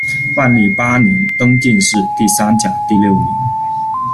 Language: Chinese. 万历八年，登进士第三甲第六名。